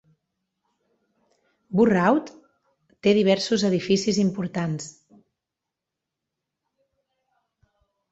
Burroughs té diversos edificis importants.